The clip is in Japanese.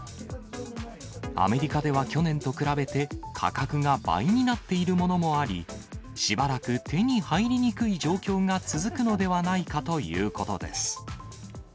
アメリカでは去年と比べて価格が倍になっているものもあり、しばらく手に入りにくい状況が続くのではないかということです。